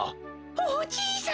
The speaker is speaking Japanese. おじいさん！